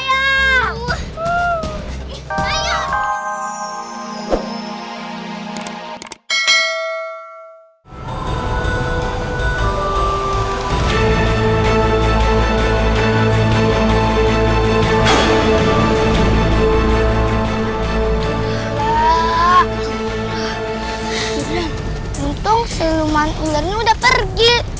keren untung siluman iler ini udah pergi